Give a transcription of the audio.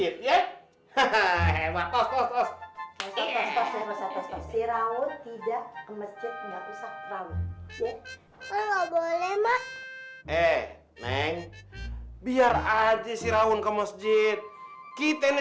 si raul tidak ke masjid nggak usah kalau boleh mas eh neng biar aja si rangun ke masjid kita ini